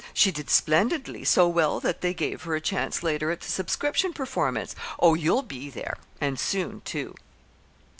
She did splendidly so well that they gave her a chance later at a subscription performance. Oh, you'll be there and soon, too!"